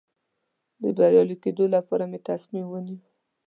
د بریالي کېدو لپاره مې تصمیم ونیو.